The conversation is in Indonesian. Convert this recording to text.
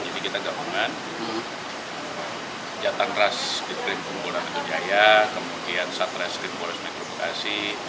jadi kita gabungan jatang ras ketrim boda mitra jaya kemudian satreskrim polres mikro bekasi